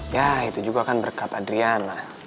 ya itu juga kan berkat adriana